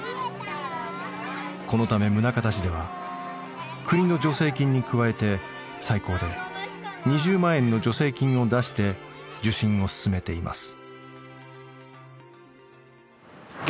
このため宗像市では国の助成金に加えて最高で２０万円の助成金を出して受審を勧めています。